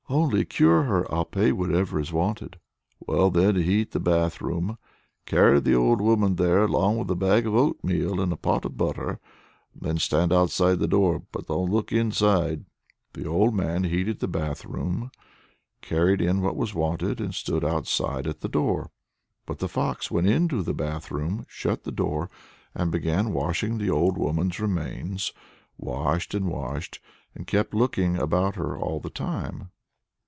"Only cure her! I'll pay whatever is wanted." "Well, then, heat the bath room, carry the old woman there along with a bag of oatmeal and a pot of butter, and then stand outside the door; but don't look inside." The old man heated the bath room, carried in what was wanted, and stood outside at the door. But the fox went into the bath room, shut the door, and began washing the old woman's remains; washed and washed, and kept looking about her all the time.